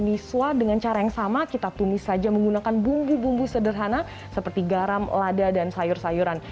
misua dengan cara yang sama kita tumis saja menggunakan bumbu bumbu sederhana seperti garam lada dan sayur sayuran